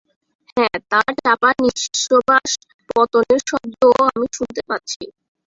হ্যাঁ, তার চাপা নিশ্ববাস পতনের শব্দও আমি শুনতে পাচ্ছি।